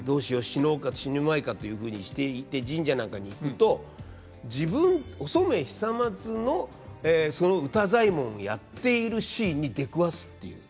死のうか死ぬまいか」というふうにしていって神社なんかに行くと自分お染久松のその歌祭文やっているシーンに出くわすっていう。